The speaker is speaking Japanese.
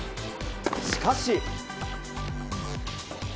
しかし。